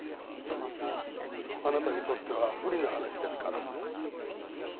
あなたにとっては不利な話ですから。